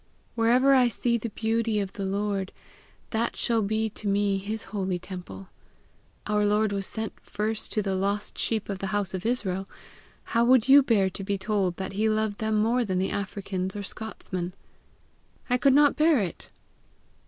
Wherever I see the beauty of the Lord, that shall be to me his holy temple. Our Lord was sent first to the lost sheep of the house of Israel: how would you bear to be told that he loved them more than Africans or Scotsmen?" "I could not bear it."